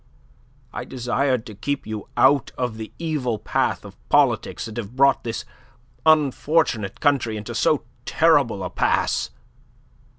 I desired to keep you out of the evil path of politics that have brought this unfortunate country into so terrible a pass.